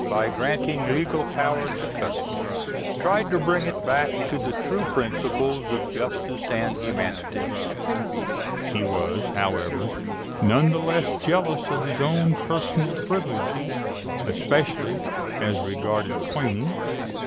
by granting legal power to custom, tried to bring it back to the true principles of justice and humanity. He was, however, none the less jealous of his own personal privileges, especially as regarded coining (Figs.